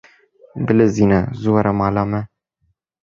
Bilezîne zû were mala me.